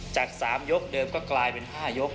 จาก๓ยกเดิมก็กลายเป็น๕ยก